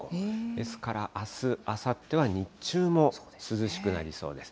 ですからあす、あさっては日中も涼しくなりそうです。